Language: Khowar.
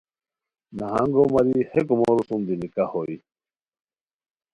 نہنگو ماری ہے کومورو سوم دی نکاح ہوئے